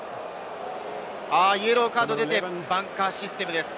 イエローカードが出てバンカーシステムです。